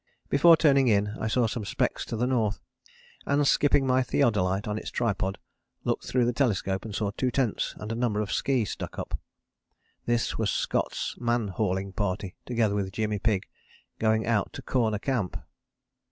Before turning in I saw some specks to the N. and skipping my theodolite on its tripod, looked through the telescope and saw two tents and a number of ski stuck up. [This was Scott's man hauling party together with Jimmy Pigg, going out to Corner Camp.